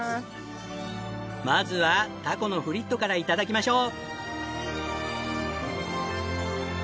まずはタコのフリットから頂きましょう。